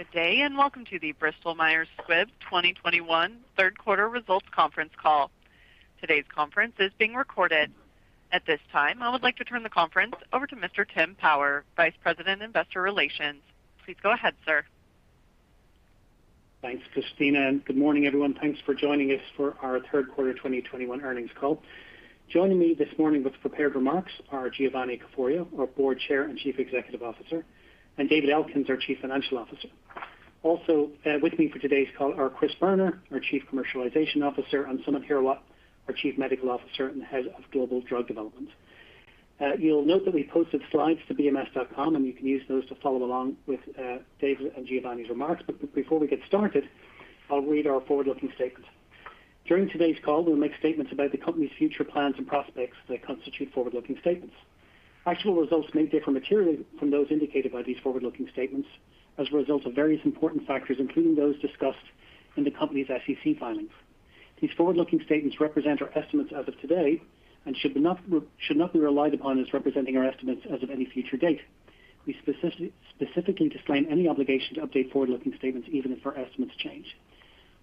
Good day, and welcome to the Bristol Myers Squibb 2021 third quarter results conference call. Today's conference is being recorded. At this time, I would like to turn the conference over to Mr. Tim Power, Vice President, Investor Relations. Please go ahead, sir. Thanks, Christina, and good morning, everyone. Thanks for joining us for our third-quarter 2021 earnings call. Joining me this morning with prepared remarks are Giovanni Caforio, our Board Chair and Chief Executive Officer, and David Elkins, our Chief Financial Officer. Also, with me for today's call are Chris Boerner, our Chief Commercialization Officer, and Samit Hirawat, our Chief Medical Officer and Head of Global Drug Development. You'll note that we posted slides to bms.com, and you can use those to follow along with David and Giovanni's remarks. Before we get started, I'll read our forward-looking statement. During today's call, we'll make statements about the company's future plans and prospects that constitute forward-looking statements. Actual results may differ materially from those indicated by these forward-looking statements as a result of various important factors, including those discussed in the company's SEC filings. These forward-looking statements represent our estimates as of today and should not be relied upon as representing our estimates as of any future date. We specifically disclaim any obligation to update forward-looking statements, even if our estimates change.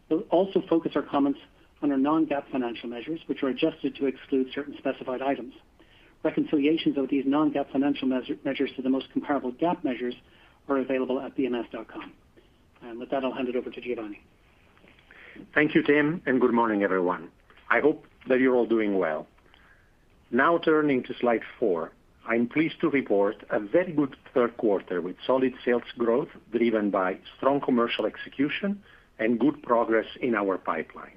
We'll also focus our comments on our non-GAAP financial measures, which are adjusted to exclude certain specified items. Reconciliations of these non-GAAP financial measures to the most comparable GAAP measures are available at bms.com. With that, I'll hand it over to Giovanni. Thank you, Tim, and good morning, everyone. I hope that you're all doing well. Now turning to slide four. I'm pleased to report a very good third quarter with solid sales growth driven by strong commercial execution and good progress in our pipeline.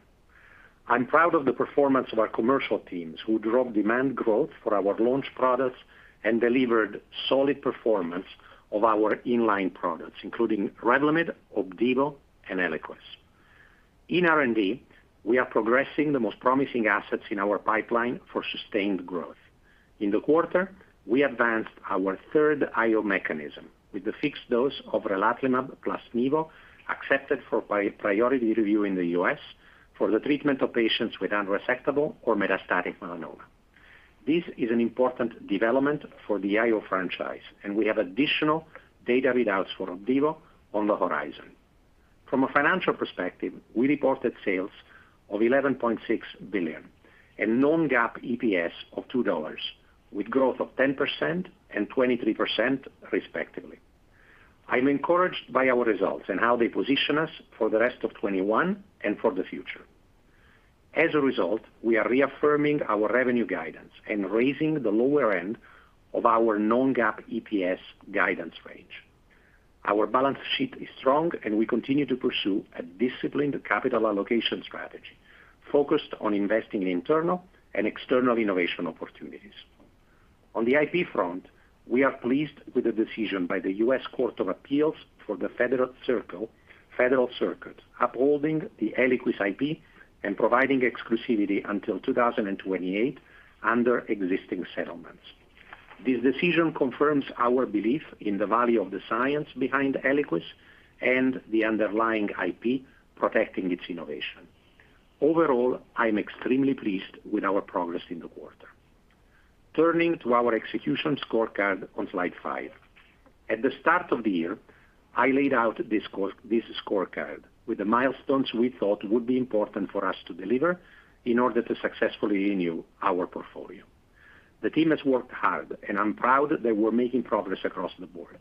I'm proud of the performance of our commercial teams, who drove demand growth for our launch products and delivered solid performance of our in-line products, including Revlimid, Opdivo, and Eliquis. In R&D, we are progressing the most promising assets in our pipeline for sustained growth. In the quarter, we advanced our third IO mechanism with the fixed dose of relatlimab plus nivolumab accepted for priority review in the U.S. for the treatment of patients with unresectable or metastatic melanoma. This is an important development for the IO franchise, and we have additional data readouts for Opdivo on the horizon. From a financial perspective, we reported sales of $11.6 billion and non-GAAP EPS of $2, with growth of 10% and 23% respectively. I'm encouraged by our results and how they position us for the rest of 2021 and for the future. As a result, we are reaffirming our revenue guidance and raising the lower end of our non-GAAP EPS guidance range. Our balance sheet is strong, and we continue to pursue a disciplined capital allocation strategy focused on investing in internal and external innovation opportunities. On the IP front, we are pleased with the decision by the U.S. Court of Appeals for the Federal Circuit upholding the Eliquis IP and providing exclusivity until 2028 under existing settlements. This decision confirms our belief in the value of the science behind Eliquis and the underlying IP protecting its innovation. Overall, I am extremely pleased with our progress in the quarter. Turning to our execution scorecard on slide five. At the start of the year, I laid out this scorecard with the milestones we thought would be important for us to deliver in order to successfully renew our portfolio. The team has worked hard, and I'm proud that we're making progress across the board.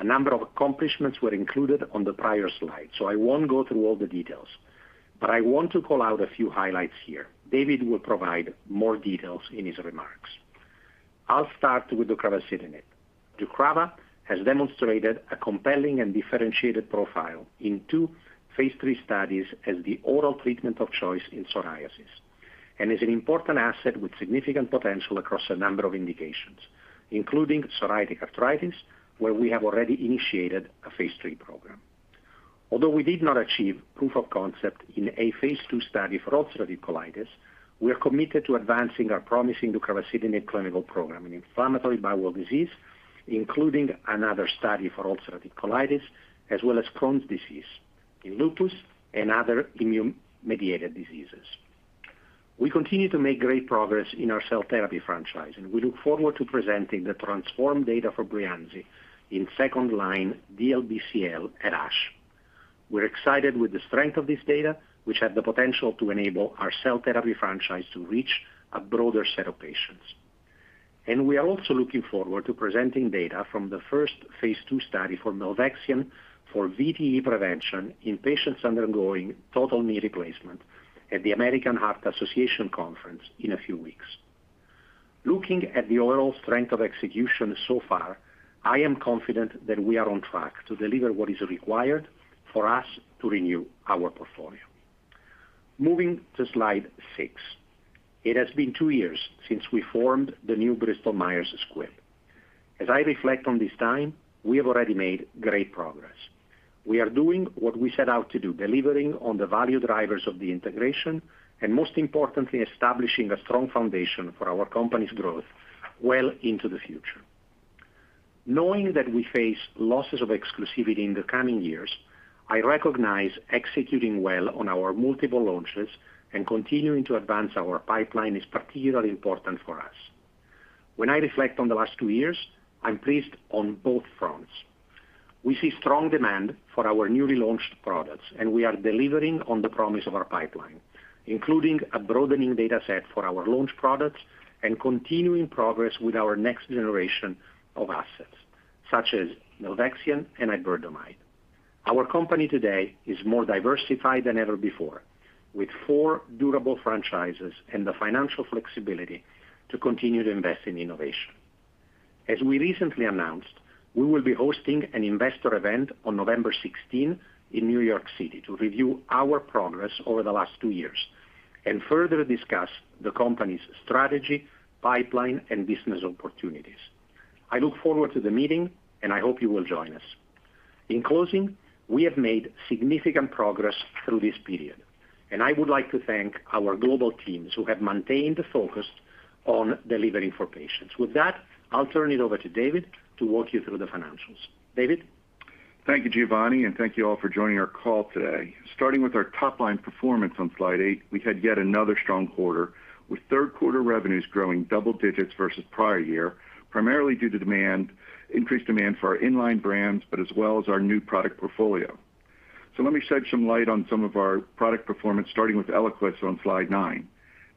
A number of accomplishments were included on the prior slide, so I won't go through all the details, but I want to call out a few highlights here. David will provide more details in his remarks. I'll start with deucravacitinib. Sotyktu has demonstrated a compelling and differentiated profile in two phase III studies as the oral treatment of choice in psoriasis and is an important asset with significant potential across a number of indications, including psoriatic arthritis, where we have already initiated a phase III program. Although we did not achieve proof of concept in a phase II study for ulcerative colitis, we are committed to advancing our promising deucravacitinib clinical program in inflammatory bowel disease, including another study for ulcerative colitis as well as Crohn's disease, in lupus and other immune-mediated diseases. We continue to make great progress in our cell therapy franchise, and we look forward to presenting the TRANSFORM data for Breyanzi in second-line DLBCL at ASH. We're excited with the strength of this data, which has the potential to enable our cell therapy franchise to reach a broader set of patients. We are also looking forward to presenting data from the first phase II study for milvexian for VTE prevention in patients undergoing total knee replacement at the American Heart Association conference in a few weeks. Looking at the overall strength of execution so far, I am confident that we are on track to deliver what is required for us to renew our portfolio. Moving to slide six. It has been two years since we formed the new Bristol Myers Squibb. As I reflect on this time, we have already made great progress. We are doing what we set out to do, delivering on the value drivers of the integration and, most importantly, establishing a strong foundation for our company's growth well into the future. Knowing that we face losses of exclusivity in the coming years, I recognize executing well on our multiple launches and continuing to advance our pipeline is particularly important for us. When I reflect on the last two years, I'm pleased on both fronts. We see strong demand for our newly launched products, and we are delivering on the promise of our pipeline, including a broadening data set for our launch products and continuing progress with our next generation of assets, such as Naldexim and Iberdomide. Our company today is more diversified than ever before, with four durable franchises and the financial flexibility to continue to invest in innovation. As we recently announced, we will be hosting an investor event on November 16 in New York City to review our progress over the last two years and further discuss the company's strategy, pipeline, and business opportunities. I look forward to the meeting, and I hope you will join us. In closing, we have made significant progress through this period, and I would like to thank our global teams who have maintained the focus on delivering for patients. With that, I'll turn it over to David to walk you through the financials. David? Thank you, Giovanni, and thank you all for joining our call today. Starting with our top line performance on slide eight, we had yet another strong quarter, with third quarter revenues growing double digits versus prior year, primarily due to demand, increased demand for our in-line brands, but as well as our new product portfolio. Let me shed some light on some of our product performance, starting with Eliquis on slide nine.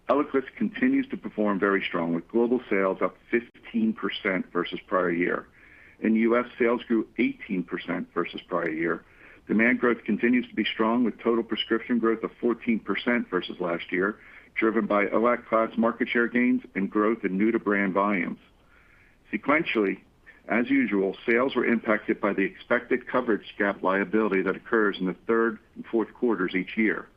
Eliquis continues to perform very strong, with global sales up 15% versus prior year. In the U.S., sales grew 18% versus prior year. Demand growth continues to be strong, with total prescription growth of 14% versus last year, driven by Eliquis class market share gains and growth in new-to-brand volumes. Sequentially, as usual, sales were impacted by the expected coverage gap liability that occurs in the third and fourth quarters each year.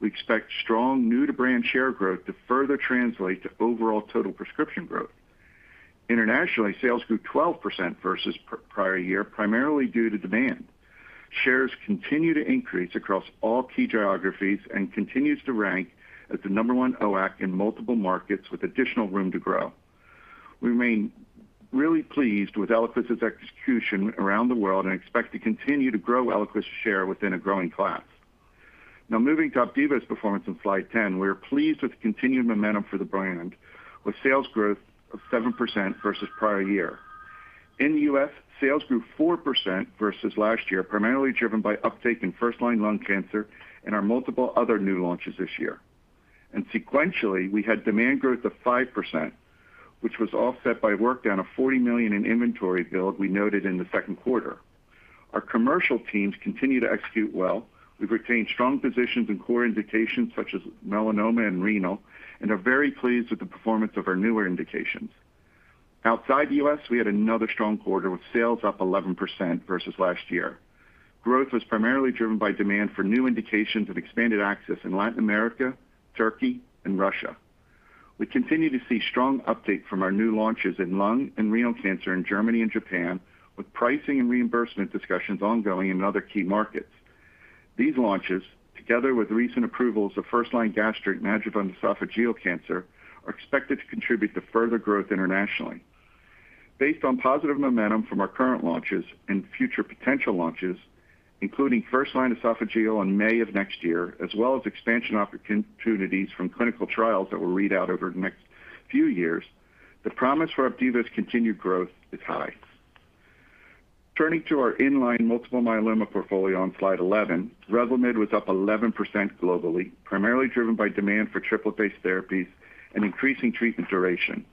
We expect strong new-to-brand share growth to further translate to overall total prescription growth. Internationally, sales grew 12% versus prior year, primarily due to demand. Shares continue to increase across all key geographies and continues to rank as the number one NOAC in multiple markets with additional room to grow. We remain really pleased with Eliquis' execution around the world and expect to continue to grow Eliquis share within a growing class. Now moving to Opdivo's performance on slide 10, we are pleased with the continued momentum for the brand, with sales growth of 7% versus prior year. In the U.S., sales grew 4% versus last year, primarily driven by uptake in first-line lung cancer and our multiple other new launches this year. Sequentially, we had demand growth of 5%, which was offset by work down of $40 million in inventory build we noted in the second quarter. Our commercial teams continue to execute well. We've retained strong positions in core indications such as melanoma and renal, and are very pleased with the performance of our newer indications. Outside the U.S., we had another strong quarter, with sales up 11% versus last year. Growth was primarily driven by demand for new indications of expanded access in Latin America, Turkey, and Russia. We continue to see strong uptake from our new launches in lung and renal cancer in Germany and Japan, with pricing and reimbursement discussions ongoing in other key markets. These launches, together with recent approvals of first-line gastric and esophageal cancer, are expected to contribute to further growth internationally. Based on positive momentum from our current launches and future potential launches, including first line esophageal in May of next year, as well as expansion opportunities from clinical trials that will read out over the next few years, the promise for Opdivo's continued growth is high. Turning to our in-line multiple myeloma portfolio on slide 11, Revlimid was up 11% globally, primarily driven by demand for triple-based therapies and increasing treatment duration.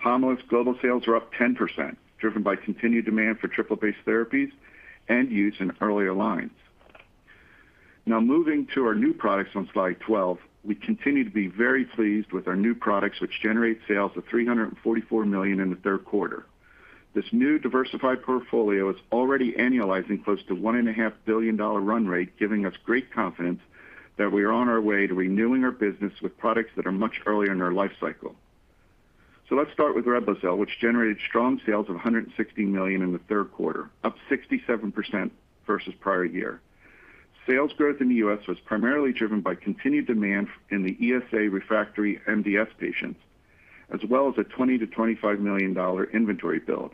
Pomalyst global sales are up 10%, driven by continued demand for triple-based therapies and use in earlier lines. Now moving to our new products on slide 12, we continue to be very pleased with our new products, which generate sales of $344 million in the third quarter. This new diversified portfolio is already annualizing close to $1.5 billion run rate, giving us great confidence that we are on our way to renewing our business with products that are much earlier in their life cycle. Let's start with Reblozyl, which generated strong sales of $160 million in the third quarter, up 67% versus prior year. Sales growth in the U.S. was primarily driven by continued demand in the ESA refractory MDS patients, as well as a $20 million-$25 million inventory build.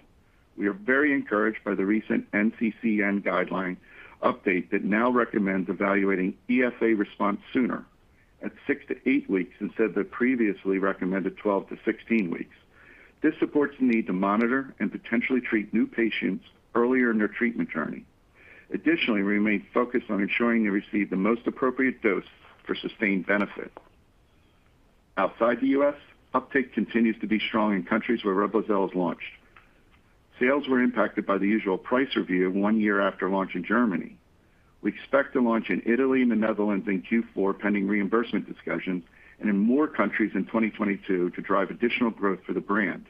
We are very encouraged by the recent NCCN guideline update that now recommends evaluating ESA response sooner, at six-eight weeks, instead of the previously recommended 12-16 weeks. This supports the need to monitor and potentially treat new patients earlier in their treatment journey. Additionally, we remain focused on ensuring they receive the most appropriate dose for sustained benefit. Outside the U.S., uptake continues to be strong in countries where Reblozyl is launched. Sales were impacted by the usual price review one year after launch in Germany. We expect to launch in Italy and the Netherlands in Q4, pending reimbursement discussions, and in more countries in 2022 to drive additional growth for the brand.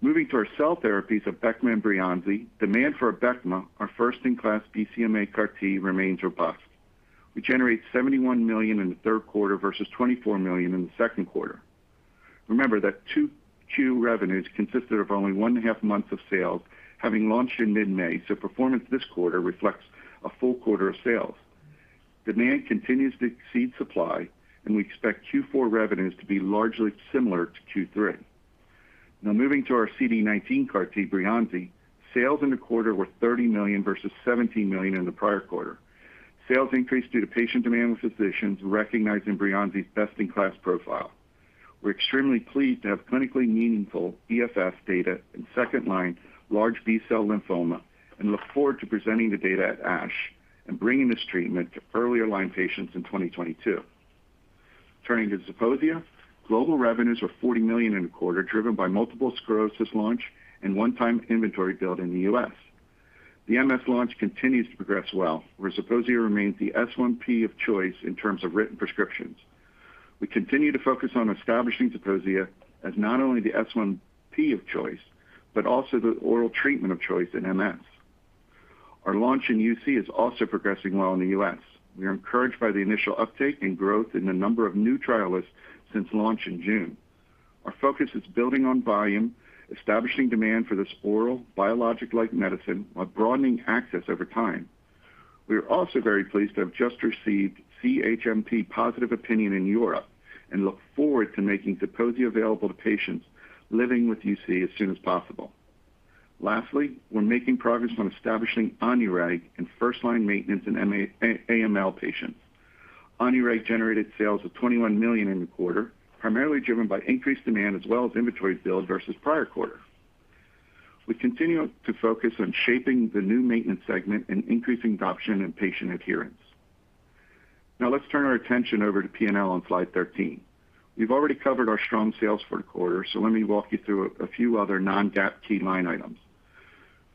Moving to our cell therapies of Abecma and Breyanzi, demand for Abecma, our first-in-class BCMA CAR T, remains robust. We generate $71 million in the third quarter versus $24 million in the second quarter. Remember that 2Q revenues consisted of only one and a half months of sales, having launched in mid-May, so performance this quarter reflects a full quarter of sales. Demand continues to exceed supply, and we expect Q4 revenues to be largely similar to Q3. Now moving to our CD19 CAR T, Breyanzi, sales in the quarter were $30 million versus $17 million in the prior quarter. Sales increased due to patient demand with physicians recognizing Breyanzi's best-in-class profile. We're extremely pleased to have clinically meaningful EFS data in second-line large B-cell lymphoma and look forward to presenting the data at ASH and bringing this treatment to earlier line patients in 2022. Turning to Zeposia, global revenues were $40 million in the quarter, driven by multiple sclerosis launch and one-time inventory build in the U.S. The MS launch continues to progress well, where Zeposia remains the S1P of choice in terms of written prescriptions. We continue to focus on establishing Zeposia as not only the S1P of choice, but also the oral treatment of choice in MS. Our launch in UC is also progressing well in the U.S. We are encouraged by the initial uptake and growth in the number of new trialists since launch in June. Our focus is building on volume, establishing demand for this oral biologic-like medicine, while broadening access over time. We are also very pleased to have just received CHMP positive opinion in Europe and look forward to making Zeposia available to patients living with UC as soon as possible. Lastly, we're making progress on establishing Onureg in first-line maintenance in AML patients. Onureg generated sales of $21 million in the quarter, primarily driven by increased demand as well as inventory build versus prior quarter. We continue to focus on shaping the new maintenance segment and increasing adoption and patient adherence. Now let's turn our attention over to P&L on slide 13. We've already covered our strong sales for the quarter, so let me walk you through a few other non-GAAP key line items.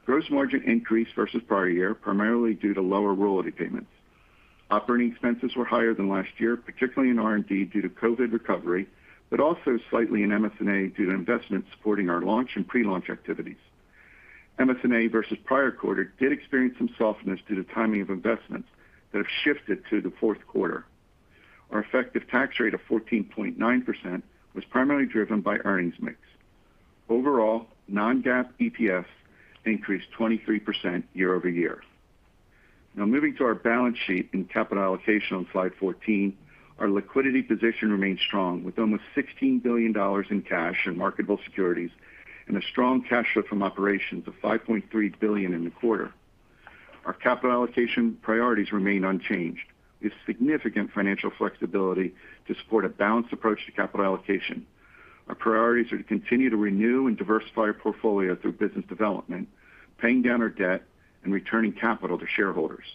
Gross margin increased versus prior year, primarily due to lower royalty payments. Operating expenses were higher than last year, particularly in R&D due to COVID recovery, but also slightly in SG&A due to investments supporting our launch and pre-launch activities. SG&A versus prior quarter did experience some softness due to timing of investments that have shifted to the fourth quarter. Our effective tax rate of 14.9% was primarily driven by earnings mix. Overall, non-GAAP EPS increased 23% year-over-year. Now moving to our balance sheet and capital allocation on slide 14. Our liquidity position remains strong with almost $16 billion in cash and marketable securities and a strong cash flow from operations of $5.3 billion in the quarter. Our capital allocation priorities remain unchanged with significant financial flexibility to support a balanced approach to capital allocation. Our priorities are to continue to renew and diversify our portfolio through business development, paying down our debt, and returning capital to shareholders.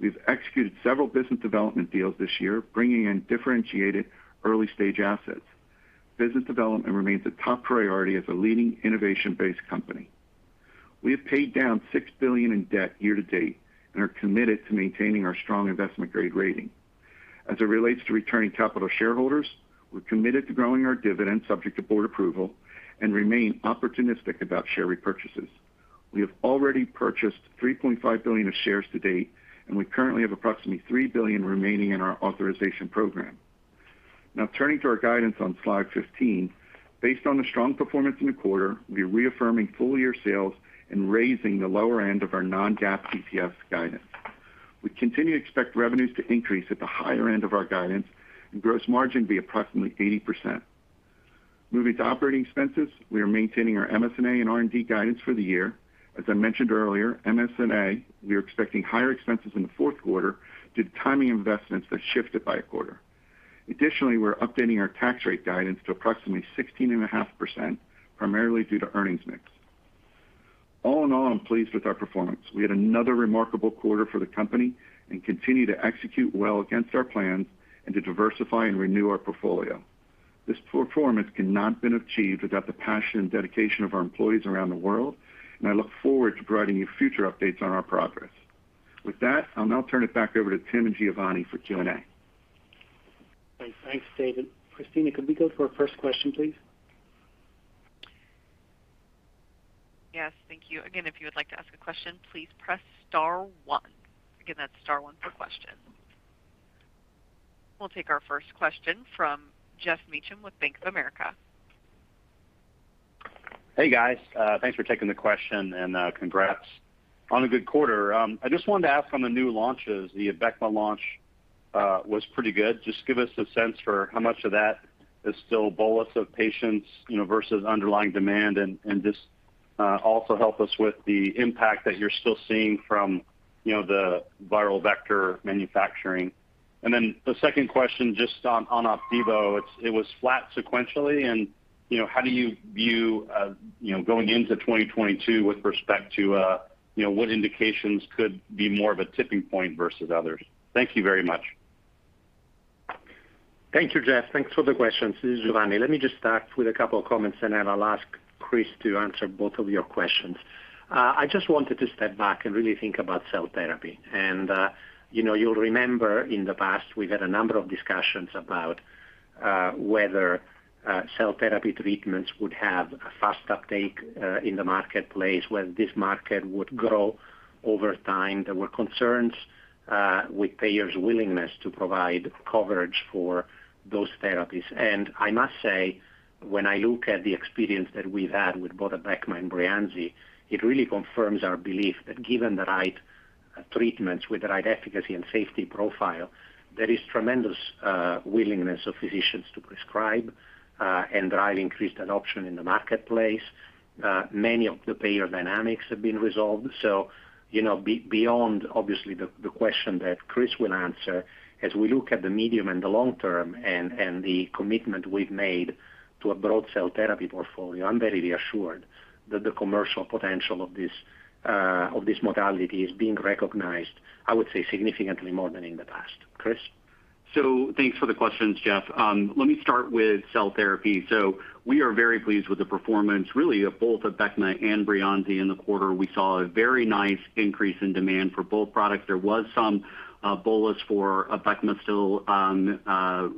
We've executed several business development deals this year, bringing in differentiated early-stage assets. Business development remains a top priority as a leading innovation-based company. We have paid down $6 billion in debt year to date and are committed to maintaining our strong investment-grade rating. As it relates to returning capital to shareholders, we're committed to growing our dividend subject to board approval and remain opportunistic about share repurchases. We have already purchased $3.5 billion of shares to date, and we currently have approximately $3 billion remaining in our authorization program. Now turning to our guidance on slide 15. Based on the strong performance in the quarter, we are reaffirming full-year sales and raising the lower end of our non-GAAP EPS guidance. We continue to expect revenues to increase at the higher end of our guidance and gross margin be approximately 80%. Moving to operating expenses, we are maintaining our SG&A and R&D guidance for the year. As I mentioned earlier, SG&A, we are expecting higher expenses in the fourth quarter due to timing investments that shifted by a quarter. Additionally, we're updating our tax rate guidance to approximately 16.5%, primarily due to earnings mix. All in all, I'm pleased with our performance. We had another remarkable quarter for the company and continue to execute well against our plans and to diversify and renew our portfolio. This performance could not been achieved without the passion and dedication of our employees around the world, and I look forward to providing you future updates on our progress. With that, I'll now turn it back over to Tim and Giovanni for Q&A. Great. Thanks, David. Christina, could we go to our first question, please? Yes. Thank you. Again, if you would like to ask a question, please press star one. Again, that's star one for questions. We'll take our first question from Geoff Meacham with Bank of America. Hey, guys. Thanks for taking the question and congrats on a good quarter. I just wanted to ask on the new launches, the Abecma launch was pretty good. Just give us a sense for how much of that is still bolus of patients, you know, versus underlying demand? And just also help us with the impact that you're still seeing from, you know, the viral vector manufacturing. And then the second question just on Opdivo. It was flat sequentially and, you know, how do you view, you know, going into 2022 with respect to, you know, what indications could be more of a tipping point versus others? Thank you very much. Thank you, Geoff. Thanks for the questions. This is Giovanni. Let me just start with a couple of comments, and then I'll ask Chris to answer both of your questions. I just wanted to step back and really think about cell therapy. You know, you'll remember in the past, we've had a number of discussions about whether cell therapy treatments would have a fast uptake in the marketplace, whether this market would grow over time. There were concerns with payers' willingness to provide coverage for those therapies. I must say, when I look at the experience that we've had with both Abecma and Breyanzi, it really confirms our belief that given the right Treatments with the right efficacy and safety profile, there is tremendous willingness of physicians to prescribe and drive increased adoption in the marketplace. Many of the payer dynamics have been resolved. You know, beyond obviously the question that Chris will answer as we look at the medium and the long term and the commitment we've made to a broad cell therapy portfolio, I'm very reassured that the commercial potential of this modality is being recognized, I would say, significantly more than in the past. Chris. Thanks for the questions, Geoff. Let me start with cell therapy. We are very pleased with the performance really of both Abecma and Breyanzi in the quarter. We saw a very nice increase in demand for both products. There was some bolus for Abecma still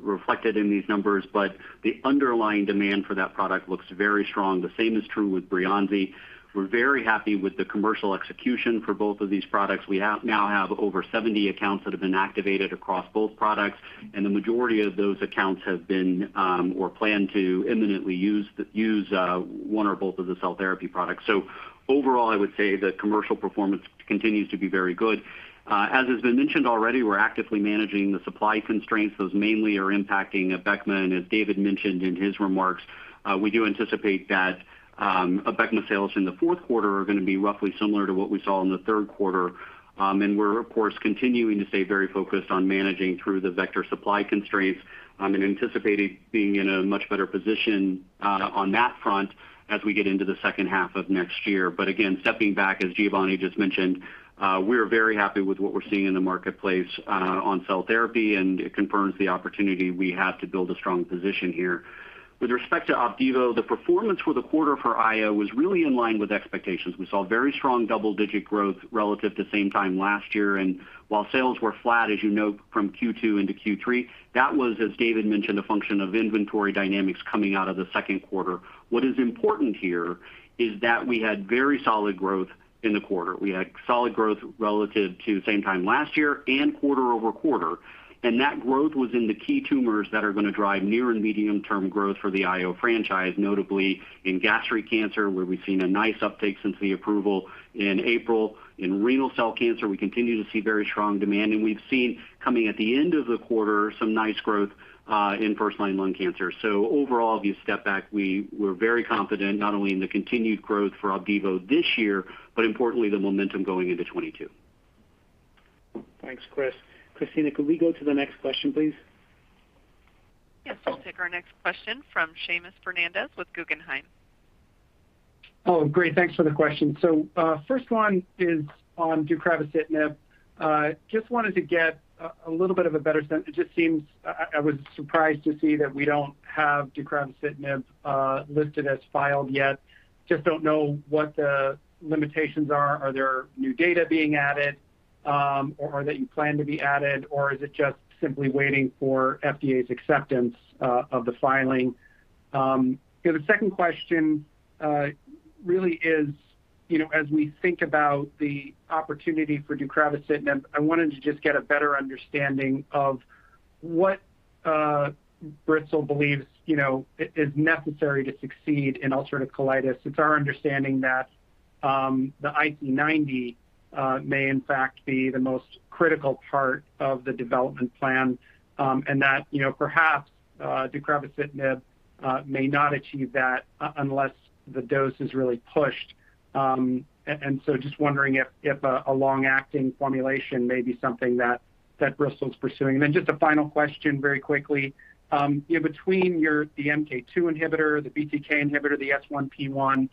reflected in these numbers, but the underlying demand for that product looks very strong. The same is true with Breyanzi. We're very happy with the commercial execution for both of these products. We now have over 70 accounts that have been activated across both products, and the majority of those accounts have been or plan to imminently use one or both of the cell therapy products. Overall, I would say the commercial performance continues to be very good. As has been mentioned already, we're actively managing the supply constraints. Those mainly are impacting Abecma. As David mentioned in his remarks, we do anticipate that Abecma sales in the fourth quarter are going to be roughly similar to what we saw in the third quarter. We're of course continuing to stay very focused on managing through the vector supply constraints, and anticipating being in a much better position on that front as we get into the second half of next year. Again, stepping back, as Giovanni just mentioned, we're very happy with what we're seeing in the marketplace on cell therapy, and it confirms the opportunity we have to build a strong position here. With respect to Opdivo, the performance for the quarter for IO was really in line with expectations. We saw very strong double-digit growth relative to same time last year. While sales were flat, as you know, from Q2 into Q3, that was, as David mentioned, a function of inventory dynamics coming out of the second quarter. What is important here is that we had very solid growth in the quarter. We had solid growth relative to same time last year and quarter-over-quarter. That growth was in the key tumors that are going to drive near- and medium-term growth for the IO franchise, notably in gastric cancer, where we've seen a nice uptake since the approval in April. In renal cell cancer, we continue to see very strong demand. We've seen coming at the end of the quarter, some nice growth in first-line lung cancer. Overall, if you step back, we're very confident not only in the continued growth for Opdivo this year, but importantly, the momentum going into 2022. Thanks, Chris. Christina, could we go to the next question, please? Yes. We'll take our next question from Seamus Fernandez with Guggenheim. Oh, great. Thanks for the question. First one is on deucravacitinib. Just wanted to get a little bit of a better sense. It just seems I was surprised to see that we don't have deucravacitinib listed as filed yet. Just don't know what the limitations are. Are there new data being added or that you plan to be added, or is it just simply waiting for FDA's acceptance of the filing? The second question really is, you know, as we think about the opportunity for deucravacitinib, I wanted to just get a better understanding of what Bristol believes, you know, is necessary to succeed in ulcerative colitis. It's our understanding that the IC90 may in fact be the most critical part of the development plan, and that, you know, perhaps deucravacitinib may not achieve that unless the dose is really pushed. Just wondering if a long-acting formulation may be something that Bristol is pursuing. Just a final question very quickly. In between the MK2 inhibitor, the BTK inhibitor, the S1P1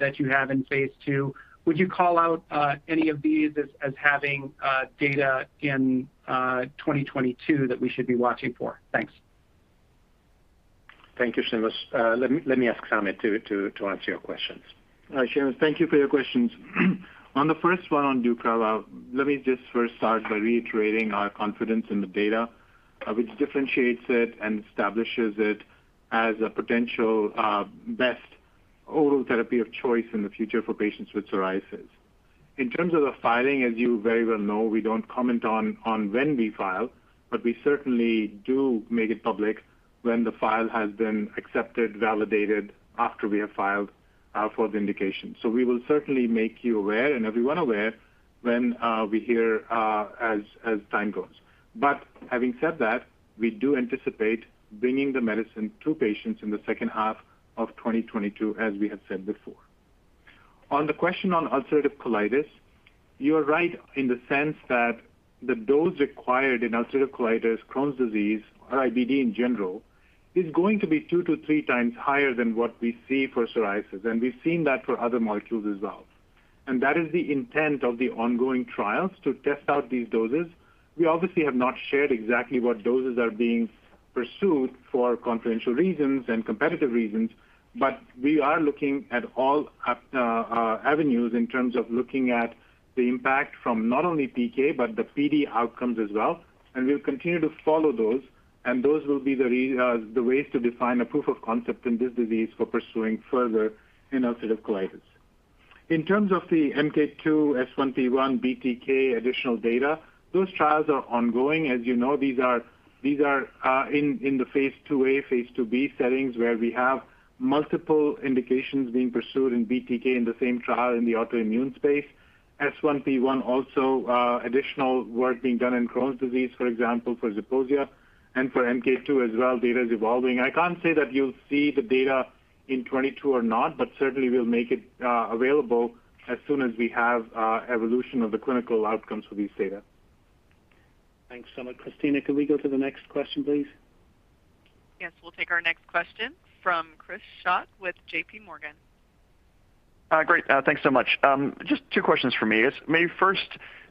that you have in phase II, would you call out any of these as having data in 2022 that we should be watching for? Thanks. Thank you, Seamus. Let me ask Samit to answer your questions. Hi, Seamus. Thank you for your questions. On the first one on deucravacitinib, let me just first start by reiterating our confidence in the data, which differentiates it and establishes it as a potential best oral therapy of choice in the future for patients with psoriasis. In terms of the filing, as you very well know, we don't comment on when we file, but we certainly do make it public when the file has been accepted, validated after we have filed for the indication. So we will certainly make you aware and everyone aware when we hear as time goes. Having said that, we do anticipate bringing the medicine to patients in the second half of 2022, as we have said before. On the question on ulcerative colitis, you are right in the sense that the dose required in ulcerative colitis, Crohn's disease, or IBD in general, is going to be 2-3x higher than what we see for psoriasis, and we've seen that for other molecules as well. That is the intent of the ongoing trials to test out these doses. We obviously have not shared exactly what doses are being pursued for confidential reasons and competitive reasons, but we are looking at all avenues in terms of looking at the impact from not only PK, but the PD outcomes as well. We'll continue to follow those, and those will be the ways to define a proof of concept in this disease for pursuing further in ulcerative colitis. In terms of the MK2, S1P1, BTK, additional data, those trials are ongoing. As you know, these are in the phase IIa, phase IIb settings where we have multiple indications being pursued in BTK in the same trial in the autoimmune space. S1P1 also, additional work being done in Crohn's disease, for example, for Zeposia. For MK2 as well, data is evolving. I can't say that you'll see the data in 2022 or not, but certainly we'll make it available as soon as we have evolution of the clinical outcomes for these data. Thanks so much. Christina, can we go to the next question, please? Yes, we'll take our next question from Chris Schott with JPMorgan. Great. Thanks so much. Just two questions for me. Maybe first,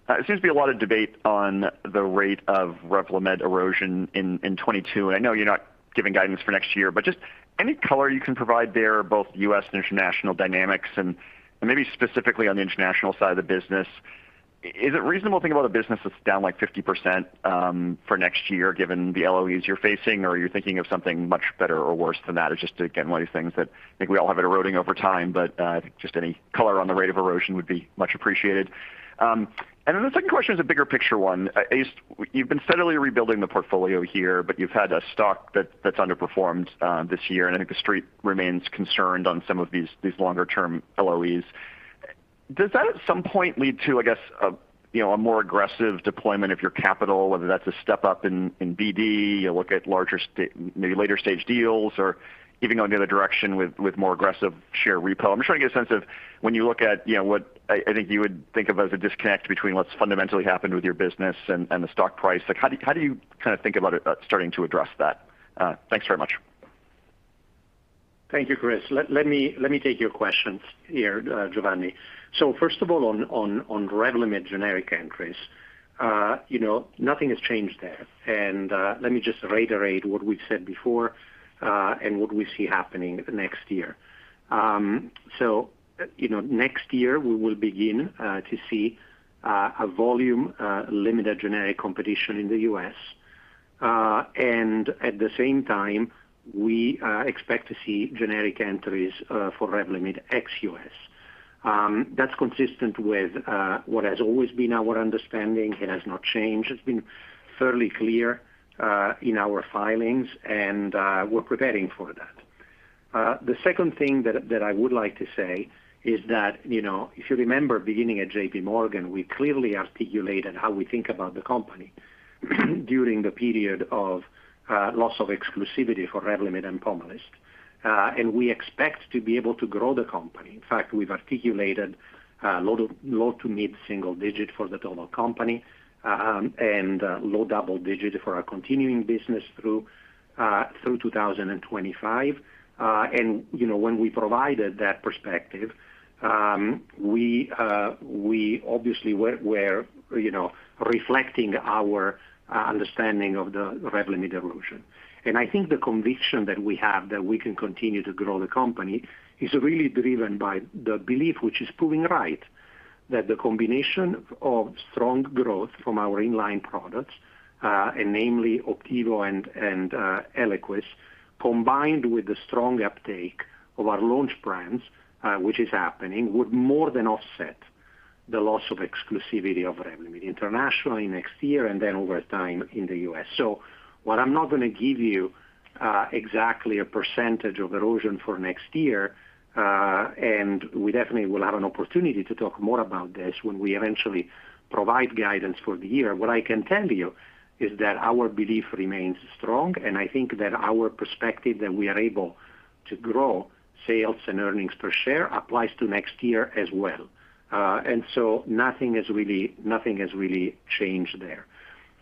there seems to be a lot of debate on the rate of Revlimid erosion in 2022, and I know you're not giving guidance for next year. Just any color you can provide there, both U.S. and international dynamics and maybe specifically on the international side of the business. Is it reasonable to think about a business that's down, like, 50%, for next year given the LOEs you're facing, or are you thinking of something much better or worse than that? It's just, again, one of these things that I think we all have it eroding over time, but I think just any color on the rate of erosion would be much appreciated. And then the second question is a bigger picture one. You've been steadily rebuilding the portfolio here, but you've had a stock that's underperformed this year, and I think the street remains concerned on some of these longer-term LOEs. Does that at some point lead to, you know, a more aggressive deployment of your capital, whether that's a step up in BD, you look at larger maybe later stage deals or even going the other direction with more aggressive share repo? I'm just trying to get a sense of when you look at, you know, what I think you would think of as a disconnect between what's fundamentally happened with your business and the stock price. Like, how do you kinda think about starting to address that? Thanks very much. Thank you, Chris. Let me take your questions here, Giovanni. First of all, on Revlimid generic entries, you know, nothing has changed there. Let me just reiterate what we've said before, and what we see happening next year. You know, next year we will begin to see a volume limited generic competition in the U.S. At the same time, we expect to see generic entries for Revlimid ex-U.S. That's consistent with what has always been our understanding. It has not changed. It's been fairly clear in our filings, and we're preparing for that. The second thing that I would like to say is that, you know, if you remember, beginning at JPMorgan, we clearly articulated how we think about the company during the period of loss of exclusivity for Revlimid and Pomalyst, and we expect to be able to grow the company. In fact, we've articulated low- to mid-single-digit % for the total company, and low double-digit % for our continuing business through 2025. You know, when we provided that perspective, we obviously were reflecting our understanding of the Revlimid erosion. I think the conviction that we have that we can continue to grow the company is really driven by the belief which is proving right that the combination of strong growth from our in-line products, and namely Opdivo and Eliquis, combined with the strong uptake of our launch brands, which is happening, would more than offset the loss of exclusivity of Revlimid internationally next year and then over time in the US. While I'm not gonna give you exactly a percentage of erosion for next year, and we definitely will have an opportunity to talk more about this when we eventually provide guidance for the year, what I can tell you is that our belief remains strong, and I think that our perspective that we are able to grow sales and earnings per share applies to next year as well. Nothing has really changed there.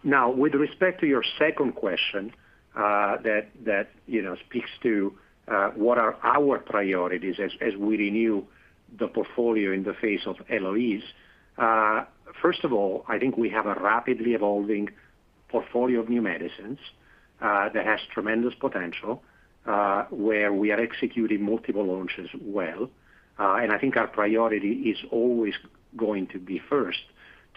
Now, with respect to your second question, that you know speaks to what are our priorities as we renew the portfolio in the face of LOEs. First of all, I think we have a rapidly evolving portfolio of new medicines that has tremendous potential where we are executing multiple launches well. I think our priority is always going to be first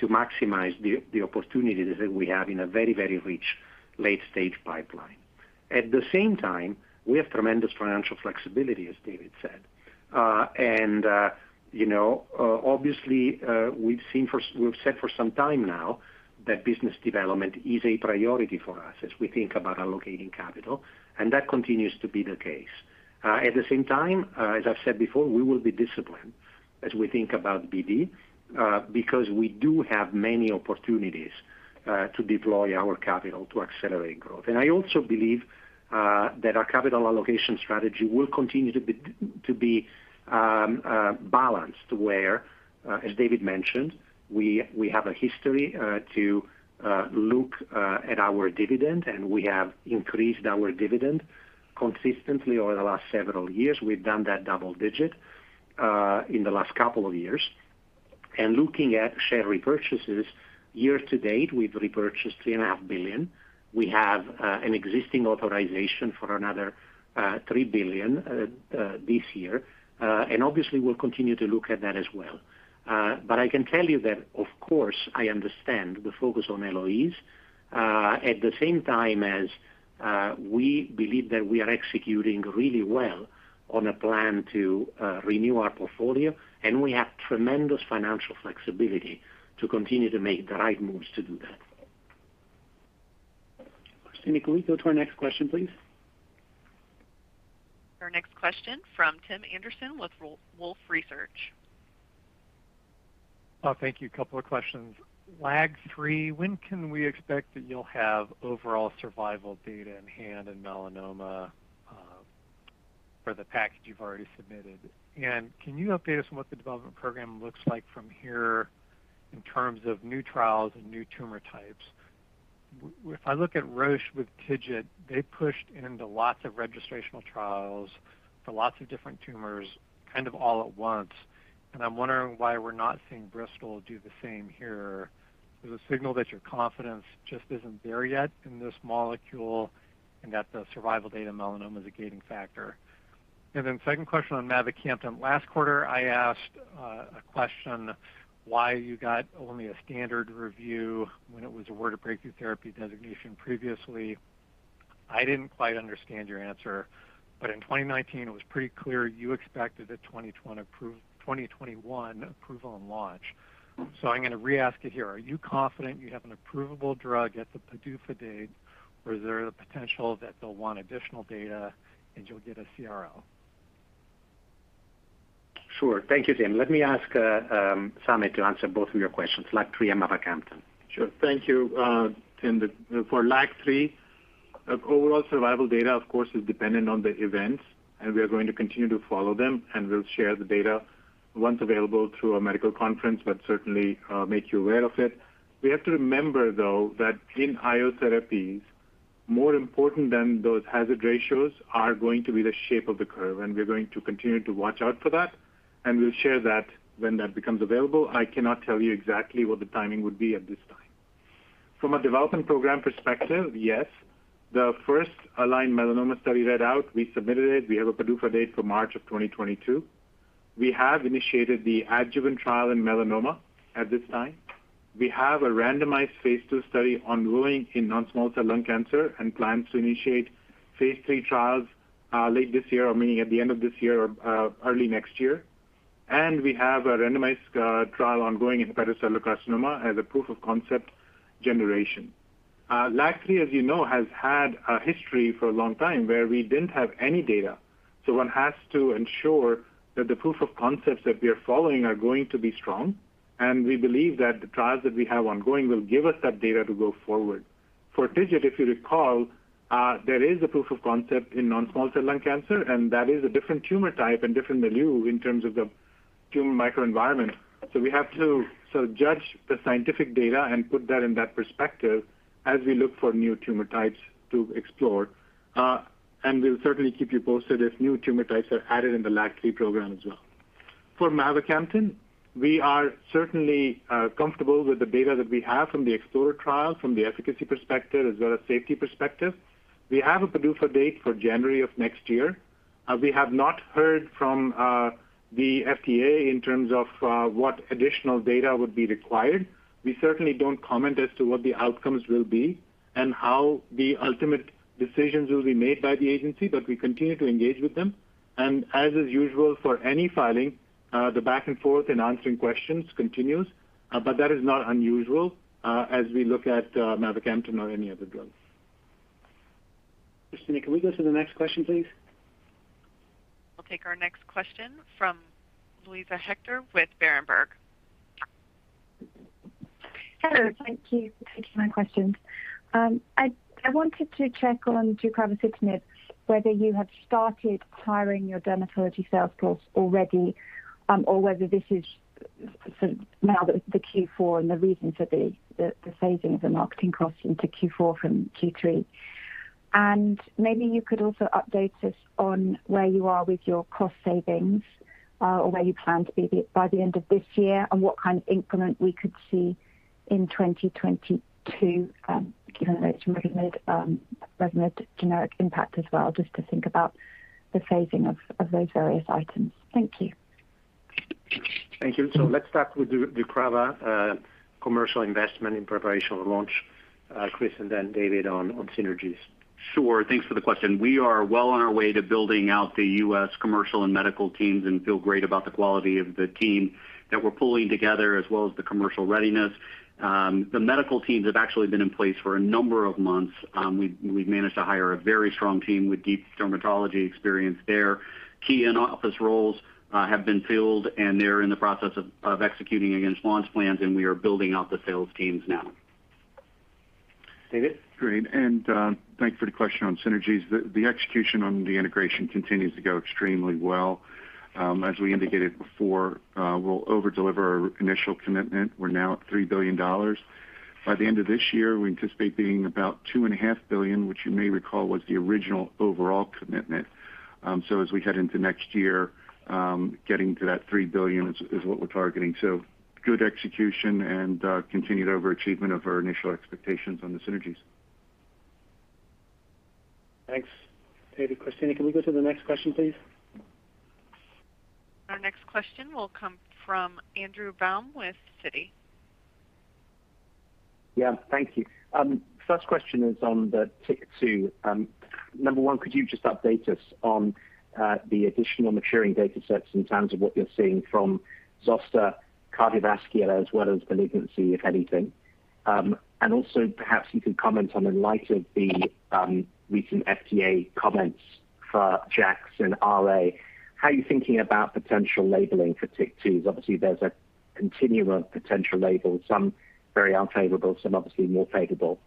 to maximize the opportunities that we have in a very rich late-stage pipeline. At the same time, we have tremendous financial flexibility, as David said. You know, obviously, we've said for some time now that business development is a priority for us as we think about allocating capital, and that continues to be the case. At the same time, as I've said before, we will be disciplined as we think about BD, because we do have many opportunities to deploy our capital to accelerate growth. I also believe that our capital allocation strategy will continue to be balanced, where, as David mentioned, we have a history to look at our dividend, and we have increased our dividend consistently over the last several years. We've done that double-digit in the last couple of years. Looking at share repurchases, year-to-date, we've repurchased $3.5 billion. We have an existing authorization for another $3 billion this year. Obviously, we'll continue to look at that as well. I can tell you that, of course, I understand the focus on LOEs, at the same time as we believe that we are executing really well on a plan to renew our portfolio, and we have tremendous financial flexibility to continue to make the right moves to do that. Christina, can we go to our next question, please? Our next question from Tim Anderson with Wolfe Research. Oh, thank you. Couple of questions. LAG-3, when can we expect that you'll have overall survival data in hand in melanoma for the package you've already submitted? Can you update us on what the development program looks like from here in terms of new trials and new tumor types? If I look at Roche with TIGIT, they pushed into lots of registrational trials for lots of different tumors kind of all at once, and I'm wondering why we're not seeing Bristol do the same here. Is it a signal that your confidence just isn't there yet in this molecule and that the survival data in melanoma is a gating factor? Second question on mavacamten. Last quarter, I asked a question why you got only a standard review when it was awarded breakthrough therapy designation previously. I didn't quite understand your answer, but in 2019 it was pretty clear you expected a 2021 approval and launch. I'm gonna re-ask it here. Are you confident you have an approvable drug at the PDUFA date, or is there a potential that they'll want additional data and you'll get a CRL? Sure. Thank you, Tim. Let me ask, Samit to answer both of your questions, LAG-3 and mavacamten. Sure. Thank you, Tim. For LAG-3, overall survival data, of course, is dependent on the events, and we are going to continue to follow them and we'll share the data once available through a medical conference, but certainly make you aware of it. We have to remember, though, that in IO therapies, more important than those hazard ratios are going to be the shape of the curve, and we're going to continue to watch out for that, and we'll share that when that becomes available. I cannot tell you exactly what the timing would be at this time. From a development program perspective, yes, the first aligned melanoma study read out. We submitted it. We have a PDUFA date for March of 2022. We have initiated the adjuvant trial in melanoma at this time. We have a randomized phase II study ongoing in non-small cell lung cancer and plan to initiate phase III trials, late this year, or meaning at the end of this year or, early next year. We have a randomized trial ongoing in hepatocellular carcinoma as a proof of concept generation. LAG-3, as you know, has had a history for a long time where we didn't have any data. One has to ensure that the proof of concepts that we are following are going to be strong, and we believe that the trials that we have ongoing will give us that data to go forward. For TIGIT, if you recall, there is a proof of concept in non-small cell lung cancer, and that is a different tumor type and different milieu in terms of the tumor microenvironment. We have to sort of judge the scientific data and put that in that perspective as we look for new tumor types to explore. We'll certainly keep you posted if new tumor types are added in the LAG-3 program as well. For mavacamten, we are certainly comfortable with the data that we have from the EXPLORER-HCM trial from the efficacy perspective as well as safety perspective. We have a PDUFA date for January of next year. We have not heard from the FDA in terms of what additional data would be required. We certainly don't comment as to what the outcomes will be and how the ultimate decisions will be made by the agency, but we continue to engage with them. As is usual for any filing, the back and forth in answering questions continues, but that is not unusual as we look at mavacamten or any other drugs. Christina, can we go to the next question, please? We'll take our next question from Luisa Hector with Berenberg. Hello. Thank you for taking my questions. I wanted to check on deucravacitinib, whether you have started hiring your dermatology sales force already, or whether this is sort of now the Q4 and the reason for the phasing of the marketing costs into Q4 from Q3. Maybe you could also update us on where you are with your cost savings, or where you plan to be by the end of this year, and what kind of increment we could see in 2022, given Revlimid generic impact as well, just to think about the phasing of those various items. Thank you. Thank you. Let's start with deucravacitinib, commercial investment in preparation for launch. Chris, and then David on synergies. Sure. Thanks for the question. We are well on our way to building out the U.S. commercial and medical teams and feel great about the quality of the team that we're pulling together as well as the commercial readiness. The medical teams have actually been in place for a number of months. We've managed to hire a very strong team with deep dermatology experience there. Key and office roles have been filled, and they're in the process of executing against launch plans, and we are building out the sales teams now. David? Great. Thanks for the question on synergies. The execution on the integration continues to go extremely well. As we indicated before, we'll over-deliver our initial commitment. We're now at $3 billion. By the end of this year, we anticipate being about $2.5 billion, which you may recall was the original overall commitment. As we head into next year, getting to that $3 billion is what we're targeting. Good execution and continued overachievement of our initial expectations on the synergies. Thanks, David. Christina, can we go to the next question, please? Our next question will come from Andrew Baum with Citi. Yeah. Thank you. First question is on the deucravacitinib. Number one, could you just update us on the additional maturing data sets in terms of what you're seeing from zoster, cardiovascular, as well as malignancy, if anything? Also perhaps you can comment on in light of the recent FDA comments for JAKs and RA, how are you thinking about potential labeling for TYK2s? Obviously, there's a continuum of potential labels, some very unfavorable, some obviously more favorable.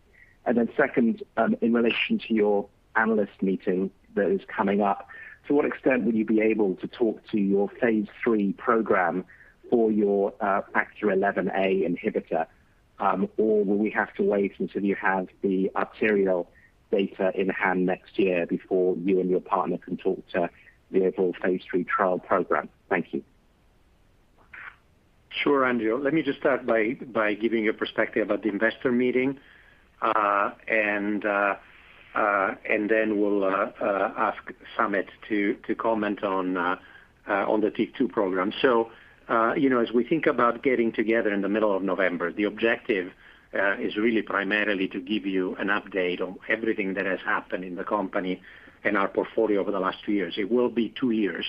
Second, in relation to your analyst meeting that is coming up, to what extent will you be able to talk to your phase III program for your Factor XIa inhibitor? Or will we have to wait until you have the arterial data in hand next year before you and your partner can talk to the overall phase III trial program? Thank you. Sure, Andrew. Let me just start by giving you a perspective about the investor meeting, and then we'll ask Samit to comment on the TYK2 program. You know, as we think about getting together in the middle of November, the objective is really primarily to give you an update on everything that has happened in the company and our portfolio over the last two years. It will be two years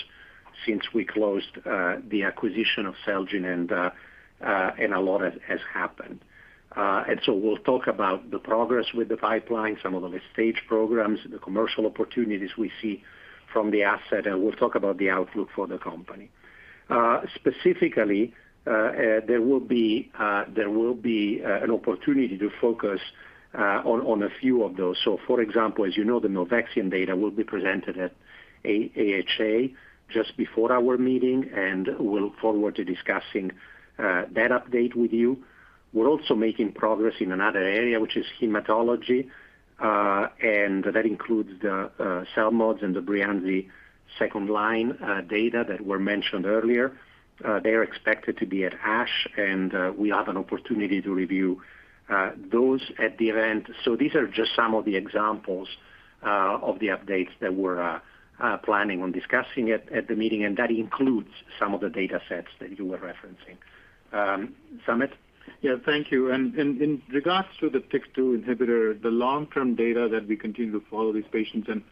since we closed the acquisition of Celgene, and a lot has happened. We'll talk about the progress with the pipeline, some of the late-stage programs, the commercial opportunities we see from the asset, and we'll talk about the outlook for the company. Specifically, there will be an opportunity to focus on a few of those. For example, as you know, the milvexian data will be presented at AHA just before our meeting, and we'll look forward to discussing that update with you. We're also making progress in another area, which is hematology, and that includes the cell mods and the Breyanzi second line data that were mentioned earlier. They are expected to be at ASH, and we have an opportunity to review those at the event. These are just some of the examples of the updates that we're planning on discussing at the meeting, and that includes some of the data sets that you were referencing. Samit? Yeah, thank you. In regards to the TYK2 inhibitor, the long-term data that we continue to follow these patients, and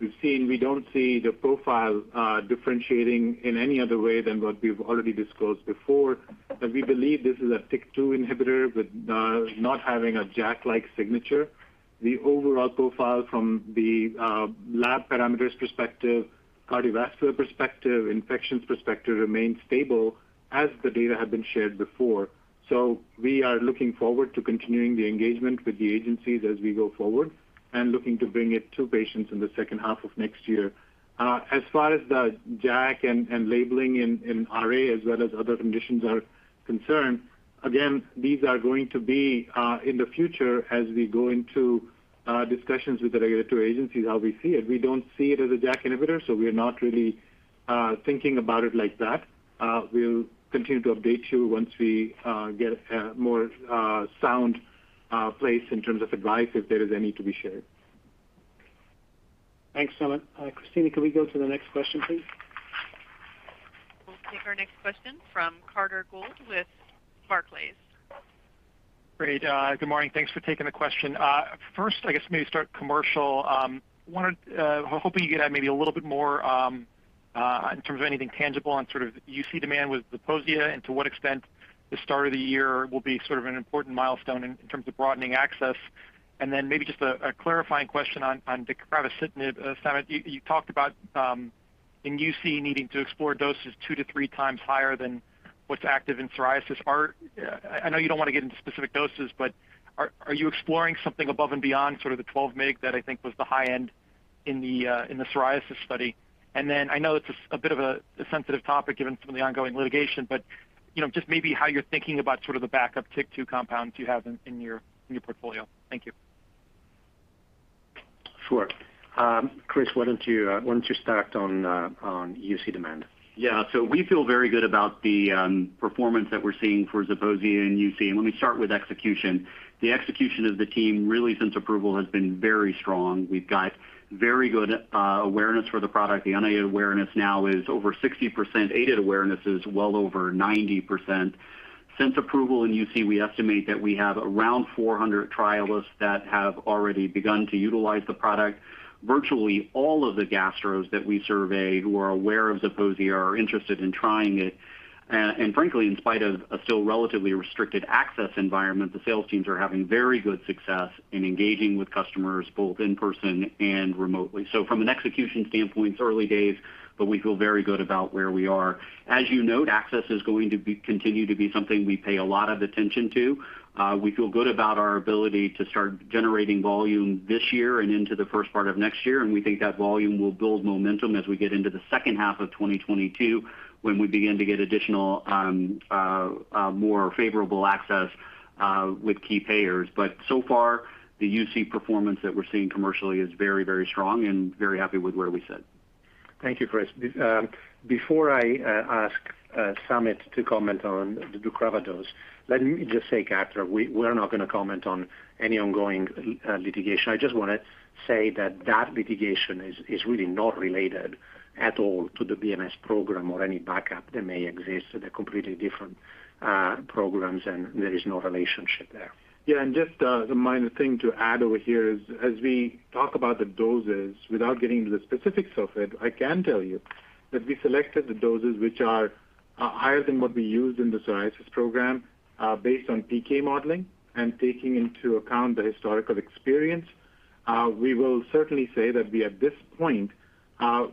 we've seen we don't see the profile differentiating in any other way than what we've already disclosed before. But we believe this is a TYK2 inhibitor with not having a JAK-like signature. The overall profile from the lab parameters perspective, cardiovascular perspective, infections perspective remains stable as the data have been shared before. We are looking forward to continuing the engagement with the agencies as we go forward and looking to bring it to patients in the second half of next year. As far as the JAK and labeling in RA as well as other conditions are concerned, again, these are going to be in the future as we go into discussions with the regulatory agencies, how we see it. We don't see it as a JAK inhibitor, so we're not really thinking about it like that. We'll continue to update you once we get a more sound place in terms of advice if there is any to be shared. Thanks, Samit. Christina, could we go to the next question, please? We'll take our next question from Carter Gould with Barclays. Great. Good morning. Thanks for taking the question. First, I guess maybe start commercial. Hoping you could add maybe a little bit more in terms of anything tangible on sort of UC demand with the Zeposia and to what extent the start of the year will be sort of an important milestone in terms of broadening access. Then maybe just a clarifying question on the deucravacitinib, Samit. You talked about in UC needing to explore doses 2-3x higher than what's active in psoriasis. I know you don't want to get into specific doses, but are you exploring something above and beyond sort of the 12 mg that I think was the high end in the psoriasis study? I know this is a bit of a sensitive topic given some of the ongoing litigation, but, you know, just maybe how you're thinking about sort of the backup TYK2 compounds you have in your portfolio. Thank you. Sure. Chris, why don't you start on UC demand? Yeah. We feel very good about the performance that we're seeing for Zeposia in UC. Let me start with execution. The execution of the team really since approval has been very strong. We've got very good awareness for the product. The unaided awareness now is over 60%. Aided awareness is well over 90%. Since approval in UC, we estimate that we have around 400 trialists that have already begun to utilize the product. Virtually all of the gastros that we survey who are aware of Zeposia are interested in trying it. Frankly, in spite of a still relatively restricted access environment, the sales teams are having very good success in engaging with customers both in person and remotely. From an execution standpoint, it's early days, but we feel very good about where we are. As you note, access is going to continue to be something we pay a lot of attention to. We feel good about our ability to start generating volume this year and into the first part of next year, and we think that volume will build momentum as we get into the second half of 2022 when we begin to get additional, more favorable access with key payers. So far, the UC performance that we're seeing commercially is very, very strong and we're very happy with where we sit. Thank you, Chris. Before I ask Samit to comment on the deucravacitinib, let me just say, Carter, we're not gonna comment on any ongoing litigation. I just wanna say that litigation is really not related at all to the BMS program or any backup that may exist. They're completely different programs, and there is no relationship there. Yeah. Just a minor thing to add over here is as we talk about the doses, without getting into the specifics of it, I can tell you that we selected the doses which are higher than what we used in the psoriasis program, based on PK modeling and taking into account the historical experience. We will certainly say that we at this point,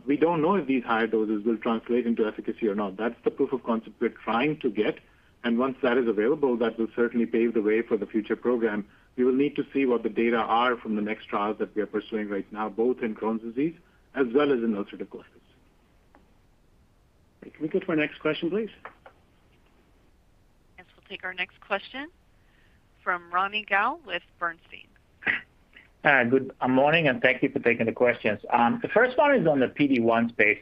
we don't know if these higher doses will translate into efficacy or not. That's the proof of concept we're trying to get. Once that is available, that will certainly pave the way for the future program. We will need to see what the data are from the next trials that we are pursuing right now, both in Crohn's disease as well as in ulcerative colitis. Can we go to our next question, please? Yes, we'll take our next question from Ronny Gal with Bernstein. Good morning, and thank you for taking the questions. The first one is on the PD-1 space.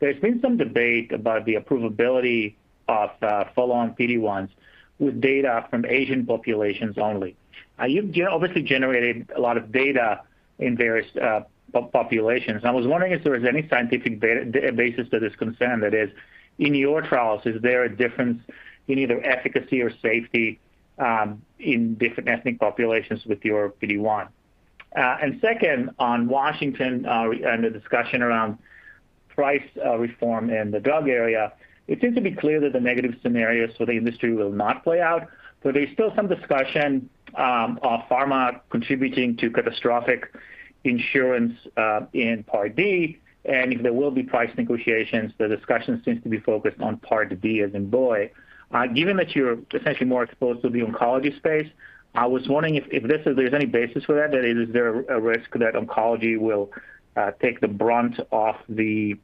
There's been some debate about the approvability of follow-on PD-1s with data from Asian populations only. You've obviously generated a lot of data in various populations. I was wondering if there was any scientific basis to this concern. That is, in your trials, is there a difference in either efficacy or safety in different ethnic populations with your PD-1? Second, on Washington and the discussion around price reform in the drug area, it seems to be clear that the negative scenarios for the industry will not play out. There's still some discussion of pharma contributing to catastrophic insurance in Part D, and if there will be price negotiations, the discussion seems to be focused on Part D, as in boy. Given that you're essentially more exposed to the oncology space, I was wondering if there's any basis for that is there a risk that oncology will take the brunt of the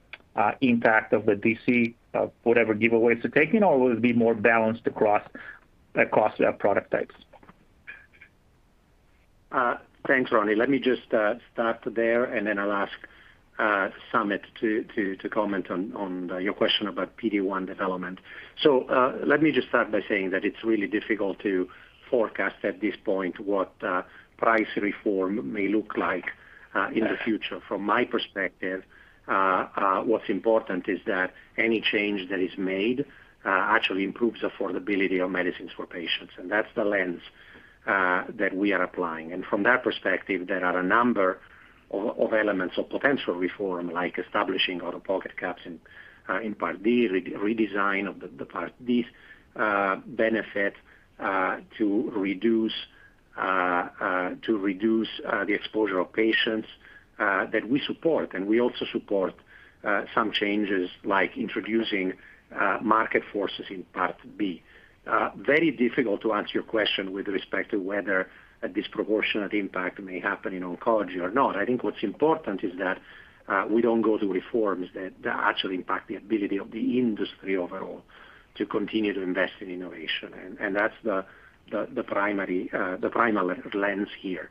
impact of the D.C., of whatever giveaway is taken, or will it be more balanced across product types? Thanks, Ronny. Let me just start there, and then I'll ask Samit to comment on your question about PD-1 development. Let me just start by saying that it's really difficult to forecast at this point what price reform may look like in the future. From my perspective, what's important is that any change that is made actually improves affordability of medicines for patients, and that's the lens that we are applying. From that perspective, there are a number of elements of potential reform, like establishing out-of-pocket caps in Part D, redesign of the Part D's benefit to reduce the exposure of patients that we support. We also support some changes like introducing market forces in Part B. Very difficult to answer your question with respect to whether a disproportionate impact may happen in oncology or not. I think what's important is that we don't go through reforms that actually impact the ability of the industry overall to continue to invest in innovation. That's the primary lens here.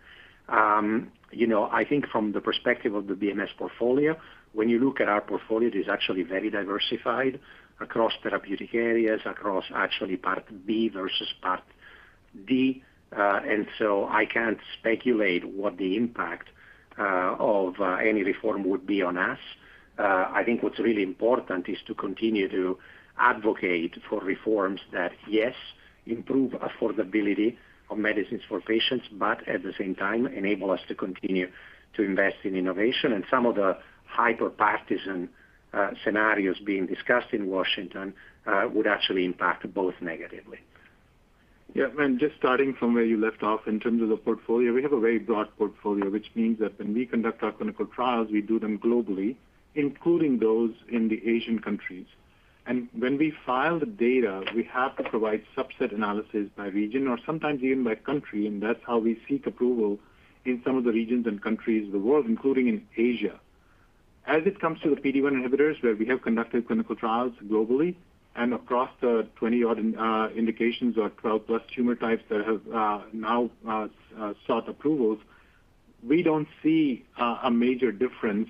You know, I think from the perspective of the BMS portfolio, when you look at our portfolio, it is actually very diversified across therapeutic areas, across actually Part B versus Part D. I can't speculate what the impact of any reform would be on us. I think what's really important is to continue to advocate for reforms that, yes, improve affordability of medicines for patients, but at the same time enable us to continue to invest in innovation. Some of the hyper-partisan scenarios being discussed in Washington would actually impact both negatively. Yeah. Just starting from where you left off in terms of the portfolio, we have a very broad portfolio, which means that when we conduct our clinical trials, we do them globally, including those in the Asian countries. When we file the data, we have to provide subset analysis by region or sometimes even by country, and that's how we seek approval in some of the regions and countries of the world, including in Asia. As it comes to the PD-1 inhibitors, where we have conducted clinical trials globally and across the 20-odd indications or 12+ tumor types that have now sought approvals, we don't see a major difference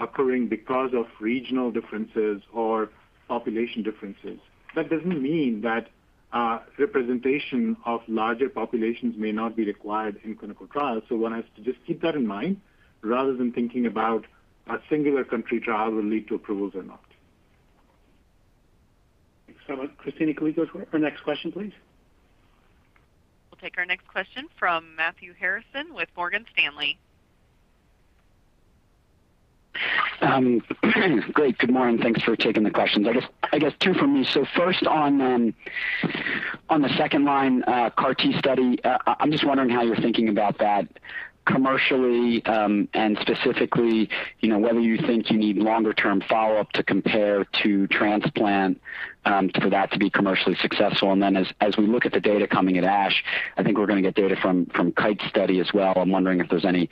occurring because of regional differences or population differences. That doesn't mean that representation of larger populations may not be required in clinical trials. One has to just keep that in mind rather than thinking about a singular country trial will lead to approvals or not. Thanks, Samit. Christina, can we go to our next question, please? We'll take our next question from Matthew Harrison with Morgan Stanley. Great. Good morning. Thanks for taking the questions. I guess two for me. First on the second-line CAR T study. I'm just wondering how you're thinking about that commercially, and specifically, you know, whether you think you need longer term follow-up to compare to transplant, for that to be commercially successful. As we look at the data coming at ASH, I think we're gonna get data from Kite study as well. I'm wondering if there's any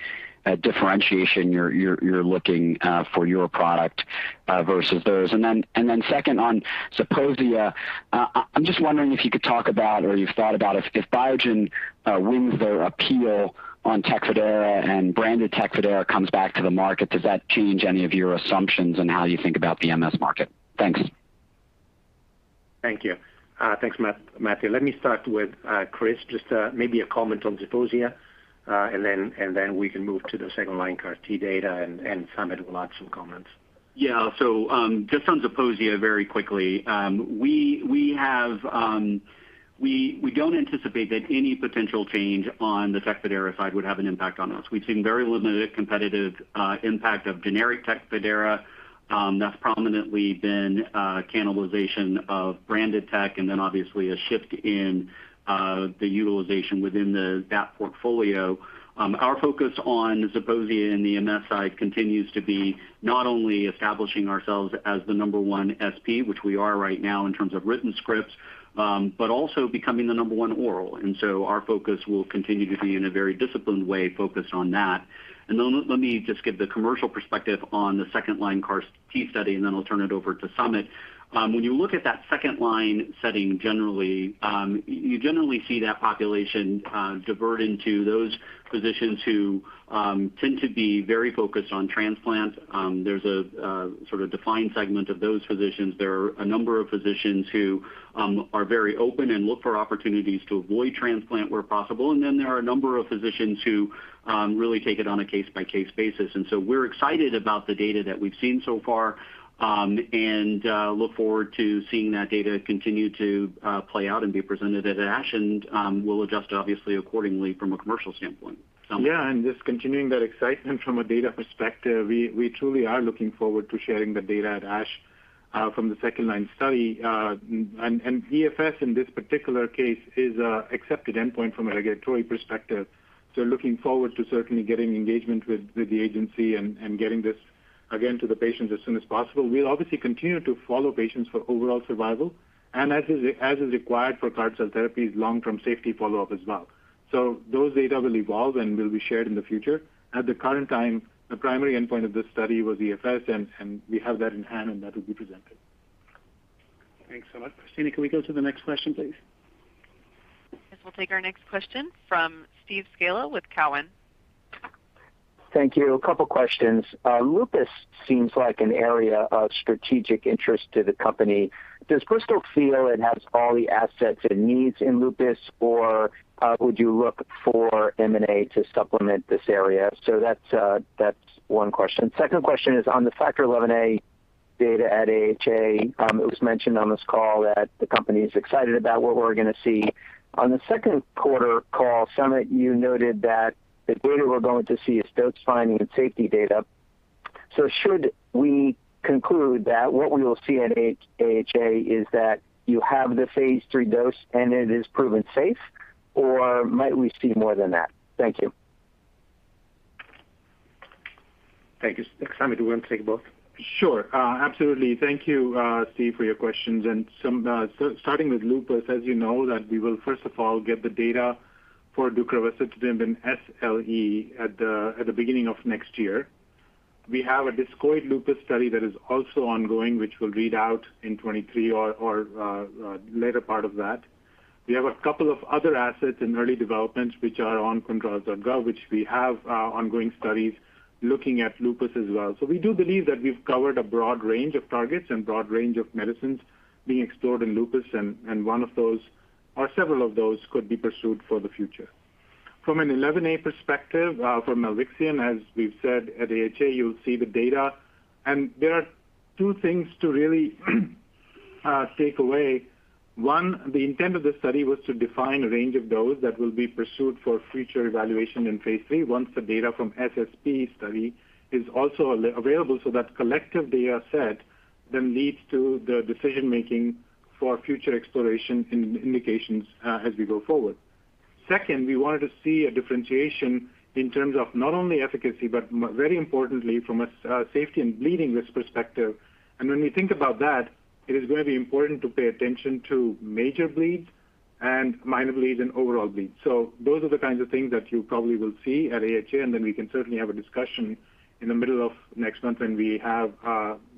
differentiation you're looking for your product versus theirs. I'm just wondering if you could talk about or you've thought about if Biogen wins their appeal on Tecfidera and branded Tecfidera comes back to the market, does that change any of your assumptions on how you think about the MS market? Thanks. Thank you. Thanks, Matthew. Let me start with Chris, just maybe a comment on Zeposia. We can move to the second-line CAR T data and Samit will add some comments. Just on Zeposia very quickly. We don't anticipate that any potential change on the Tecfidera side would have an impact on us. We've seen very limited competitive impact of generic Tecfidera. That's prominently been cannibalization of branded Tecfidera and then obviously a shift in the utilization within that portfolio. Our focus on Zeposia and the MS side continues to be not only establishing ourselves as the number one SP, which we are right now in terms of written scripts, but also becoming the number one oral. Our focus will continue to be in a very disciplined way, focused on that. Let me just give the commercial perspective on the second line CAR T study, and then I'll turn it over to Samit. When you look at that second line setting, generally, you generally see that population divide into those physicians who tend to be very focused on transplant. There's a sort of defined segment of those physicians. There are a number of physicians who are very open and look for opportunities to avoid transplant where possible. Then there are a number of physicians who really take it on a case-by-case basis. We're excited about the data that we've seen so far, and look forward to seeing that data continue to play out and be presented at ASH. We'll adjust obviously accordingly from a commercial standpoint. Samit? Just continuing that excitement from a data perspective, we truly are looking forward to sharing the data at ASH from the second line study. EFS in this particular case is accepted endpoint from a regulatory perspective. Looking forward to certainly getting engagement with the agency and getting this again to the patients as soon as possible. We'll obviously continue to follow patients for overall survival and as is required for CAR T cell therapies, long-term safety follow-up as well. Those data will evolve and will be shared in the future. At the current time, the primary endpoint of this study was EFS, and we have that in hand and that will be presented. Thanks a lot. Christina, can we go to the next question, please? Yes, we'll take our next question from Steve Scala with Cowen. Thank you. A couple questions. Lupus seems like an area of strategic interest to the company. Does Bristol feel it has all the assets it needs in lupus, or would you look for M&A to supplement this area? That's one question. Second question is on the Factor XIa data at AHA. It was mentioned on this call that the company is excited about what we're going to see. On the second quarter call, Samit, you noted that the data we're going to see is dose finding and safety data. Should we conclude that what we will see at AHA is that you have the phase III dose and it is proven safe, or might we see more than that? Thank you. Thank you. Samit, do you want to take both? Sure. Absolutely. Thank you, Steve, for your questions. Starting with lupus, as you know, that we will first of all get the data for deucravacitinib in SLE at the beginning of next year. We have a discoid lupus study that is also ongoing, which will read out in 2023 or later part of that. We have a couple of other assets in early developments which are on ClinicalTrials.gov, which we have ongoing studies looking at lupus as well. We do believe that we've covered a broad range of targets and broad range of medicines being explored in lupus. One of those, or several of those could be pursued for the future. From a Factor XIa perspective, from milvexian, as we've said at AHA, you'll see the data. There are two things to really take away. One, the intent of this study was to define a range of dose that will be pursued for future evaluation in phase III once the data from AXIOMATIC-SSP study is also available, so that collective data set then leads to the decision-making for future exploration in indications as we go forward. Second, we wanted to see a differentiation in terms of not only efficacy, but very importantly from a safety and bleeding risk perspective. When we think about that, it is going to be important to pay attention to major bleeds and minor bleeds and overall bleeds. Those are the kinds of things that you probably will see at AHA, and then we can certainly have a discussion in the middle of next month when we have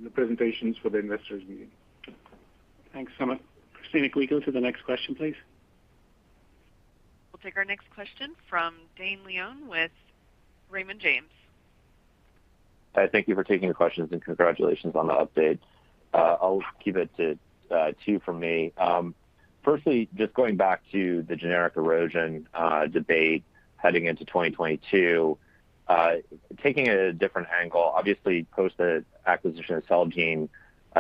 the presentations for the investors meeting. Thanks, Samit. Christina, can we go to the next question, please? We'll take our next question from Dane Leone with Raymond James. Hi, thank you for taking the questions and congratulations on the updates. I'll keep it to two from me. Firstly, just going back to the generic erosion debate heading into 2022. Taking a different angle, obviously post the acquisition of Celgene,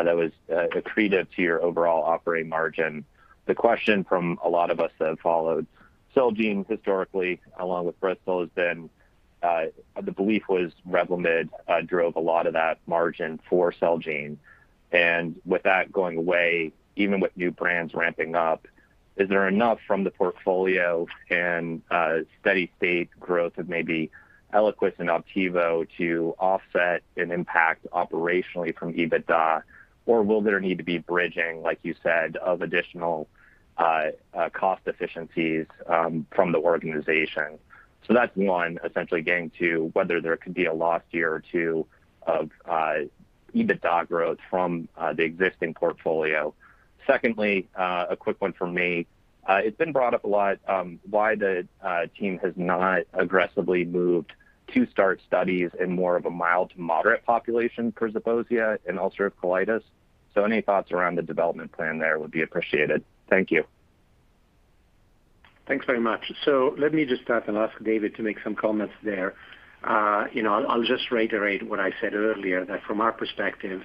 that was accretive to your overall operating margin. The question from a lot of us that followed Celgene historically along with Bristol has been the belief was Revlimid drove a lot of that margin for Celgene. With that going away, even with new brands ramping up, is there enough from the portfolio and steady state growth of maybe Eliquis and Opdivo to offset an impact operationally from EBITDA? Or will there need to be bridging, like you said, of additional cost efficiencies from the organization? That's one essentially getting to whether there could be a lost year or two of EBITDA growth from the existing portfolio. Secondly, a quick one from me. It's been brought up a lot, why the team has not aggressively moved to start studies in more of a mild to moderate population for Zeposia and ulcerative colitis. Any thoughts around the development plan there would be appreciated. Thank you. Thanks very much. Let me just start and ask David to make some comments there. You know, I'll just reiterate what I said earlier, that from our perspective,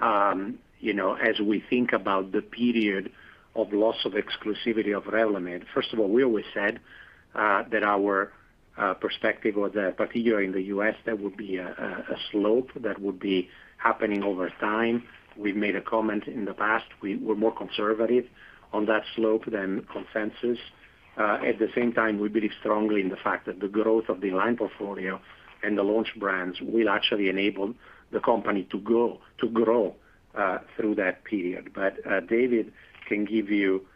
you know, as we think about the period of loss of exclusivity of Revlimid, first of all, we always said that our perspective particularly in the U.S., there would be a slope that would be happening over time. We've made a comment in the past, we were more conservative on that slope than consensus. At the same time, we believe strongly in the fact that the growth of the aligned portfolio and the launch brands will actually enable the company to grow through that period. David can give you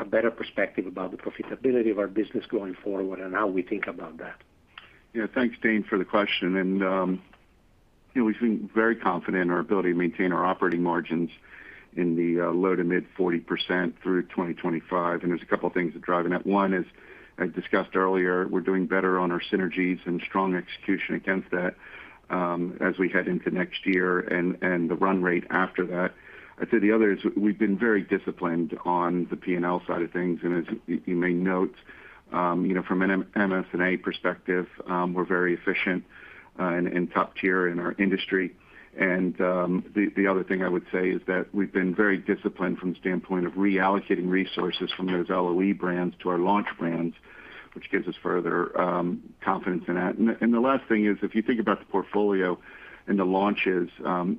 a better perspective about the profitability of our business going forward and how we think about that. Yeah. Thanks, Dane, for the question. You know, we've been very confident in our ability to maintain our operating margins in the low- to mid-40% through 2025. There's a couple of things that are driving that. One is, as discussed earlier, we're doing better on our synergies and strong execution against that, as we head into next year and the run rate after that. I'd say the other is we've been very disciplined on the P&L side of things. As you may note, you know, from an SG&A perspective, we're very efficient and top tier in our industry. The other thing I would say is that we've been very disciplined from the standpoint of reallocating resources from those LOE brands to our launch brands, which gives us further confidence in that. The last thing is, if you think about the portfolio and the launches,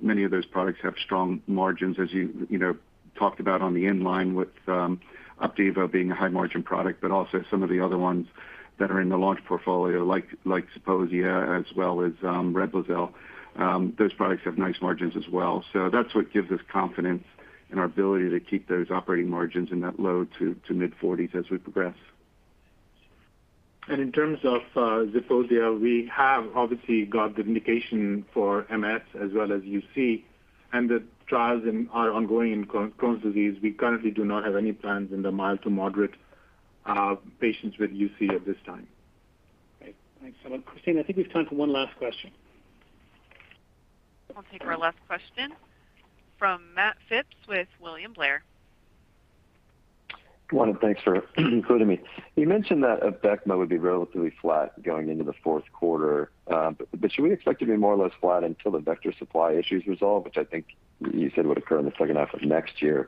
many of those products have strong margins, as you know, talked about in line with Opdivo being a high margin product, but also some of the other ones that are in the launch portfolio like Zeposia as well as Reblozyl. Those products have nice margins as well. That's what gives us confidence in our ability to keep those operating margins in that low- to mid-40s% as we progress. In terms of Zeposia, we have obviously got the indication for MS as well as UC, and the trials are ongoing in Crohn's disease. We currently do not have any plans in the mild to moderate patients with UC at this time. Great. Thanks a lot. Christina, I think we have time for one last question. We'll take our last question from Matt Phipps with William Blair. Good morning, and thanks for including me. You mentioned that Abecma would be relatively flat going into the fourth quarter, but should we expect it to be more or less flat until the vector supply issue is resolved, which I think you said would occur in the second half of next year?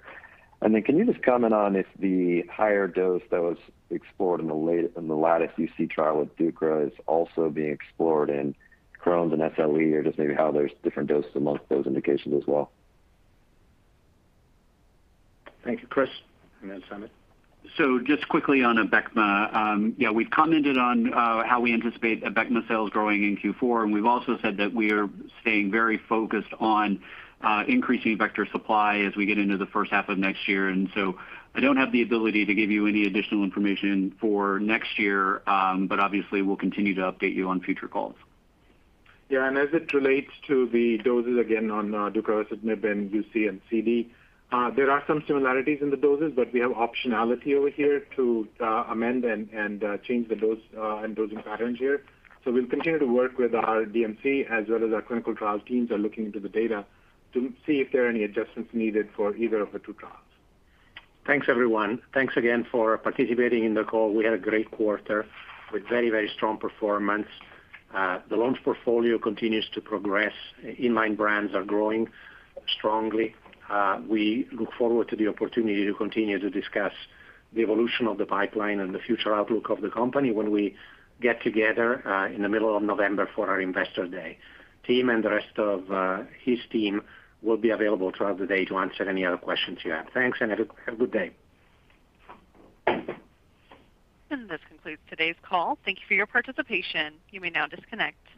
Then can you just comment on if the higher dose that was explored in the LATTICE-UC trial with deucravacitinib is also being explored in Crohn's and SLE, or just maybe how there's different doses amongst those indications as well? Thank you. Chris and then Samit. Just quickly on Abecma. We've commented on how we anticipate Abecma sales growing in Q4, and we've also said that we are staying very focused on increasing vector supply as we get into the first half of next year. I don't have the ability to give you any additional information for next year, but obviously we'll continue to update you on future calls. As it relates to the doses, again on deucravacitinib in UC and CD, there are some similarities in the doses, but we have optionality over here to amend and change the dose and dosing patterns here. We'll continue to work with our DMC as well as our clinical trial teams are looking into the data to see if there are any adjustments needed for either of the two trials. Thanks, everyone. Thanks again for participating in the call. We had a great quarter with very, very strong performance. The launch portfolio continues to progress. Inline brands are growing strongly. We look forward to the opportunity to continue to discuss the evolution of the pipeline and the future outlook of the company when we get together in the middle of November for our Investor Day. Tim and the rest of his team will be available throughout the day to answer any other questions you have. Thanks and have a good day. This concludes today's call. Thank you for your participation. You may now disconnect.